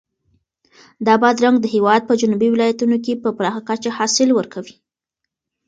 دا بادرنګ د هېواد په جنوبي ولایتونو کې په پراخه کچه حاصل ورکوي.